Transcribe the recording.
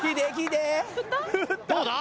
どうだ？